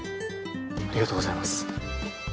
ありがとうございます。